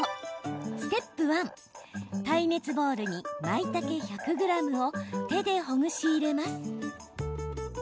ステップ１、耐熱ボウルにまいたけ１００ｇを手でほぐし入れます。